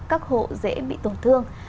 các hộ dễ bị tổn thương